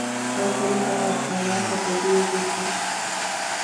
তাখন তা আমার হাতে দিয়ে দিবি।